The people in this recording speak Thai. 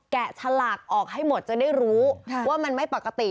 ฉลากออกให้หมดจะได้รู้ว่ามันไม่ปกติ